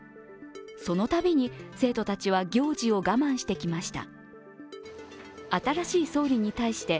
そのたびに生徒たちは行事を我慢してきました。